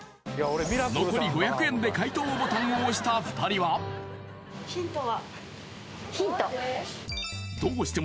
残り５００円で解答ボタンを押した２人はヒント？